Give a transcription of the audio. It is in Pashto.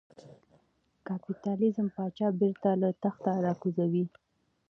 کاپیتالېزم پاچا بېرته له تخته را کوزوي.